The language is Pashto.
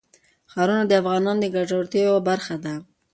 ښارونه د افغانانو د ګټورتیا یوه برخه ده.